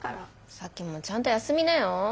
沙樹もちゃんと休みなよ。